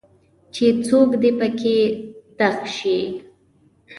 چې څوک دي پکې دغ شي.